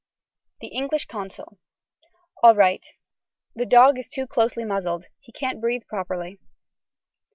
(The English consul.) All right. The dog is too closely muzzled. He can't breathe properly.